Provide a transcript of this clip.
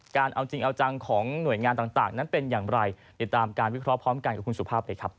เอาจริงเอาจังของหน่วยงานต่างนั้นเป็นอย่างไรติดตามการวิเคราะห์พร้อมกันกับคุณสุภาพเลยครับ